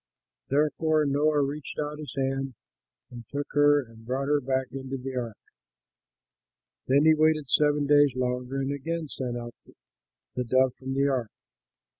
Therefore, Noah reached out his hand and took her and brought her back into the ark. Then he waited seven days longer and again sent out the dove from the ark.